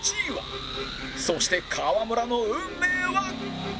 そして川村の運命は？